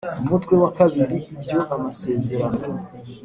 umutwe wa kabiri ibyo amasezerano